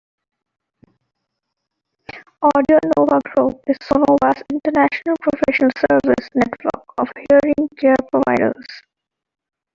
AudioNova Group is Sonova's international professional service network of hearing care providers.